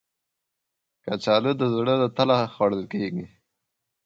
کچالو د زړه له تله خوړل کېږي